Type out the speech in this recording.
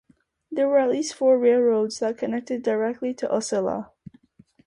There were at least four railroads that connected directly to Ocilla.